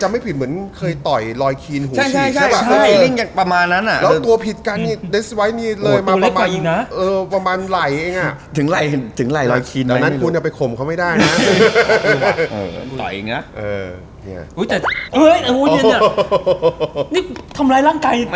อ่านี่ทำร้ายร่างใจนะไม่ต้องถึงผมหรอกเอาไหมผม